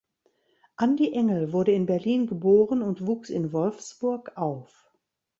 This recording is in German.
Andi Engel wurde in Berlin geboren und wuchs in Wolfsburg auf.